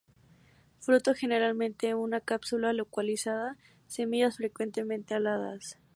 Fruto generalmente una cápsula loculicida; semillas frecuentemente aladas.